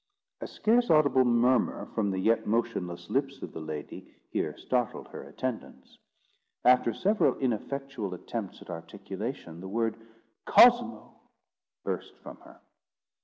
A scarce audible murmur from the yet motionless lips of the lady here startled her attendants. After several ineffectual attempts at articulation, the word "Cosmo!" burst from her.